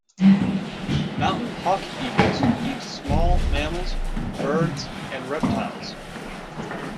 Mountain hawk-eagles eat small mammals, birds and reptiles.